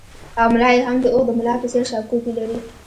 او ملا یې هم د اوښ د ملا په څېر شاکوپي لري